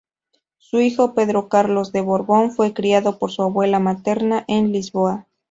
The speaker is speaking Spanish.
Su hijo, Pedro Carlos de Borbón, fue criado por su abuela materna en Lisboa.